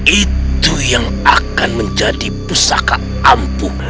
itu yang akan menjadi pusaka ampuh